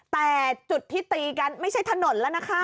แต่จุดที่ตีกันไม่ใช่ถนนแล้วนะคะ